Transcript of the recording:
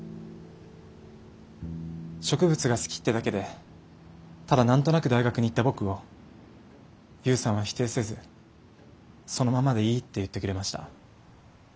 植物が好きってだけでただなんとなく大学に行った僕を悠さんは否定せずそのままでいいって言ってくれました。